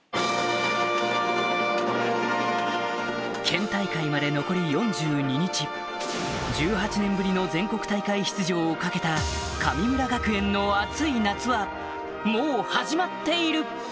県大会まで残り４２日１８年ぶりの全国大会出場を懸けた神村学園のそして！